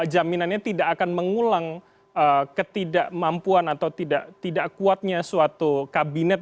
jaminannya tidak akan mengulang ketidakmampuan atau tidak kuatnya suatu kabinet